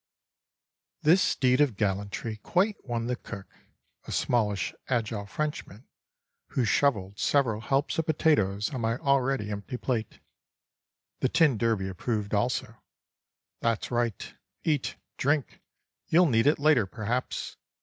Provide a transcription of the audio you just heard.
_" —This deed of gallantry quite won the cook (a smallish, agile Frenchman) who shovelled several helps of potatoes on my already empty plate. The tin derby approved also: "That's right, eat, drink, you'll need it later perhaps."